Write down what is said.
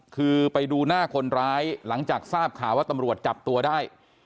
คือไปดูหน้าคนร้ายหลังจากทราบข่าวว่าตำรวจจับตัวได้